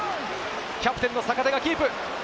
キャプテンの坂手がキープ。